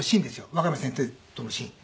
若山先生とのシーン。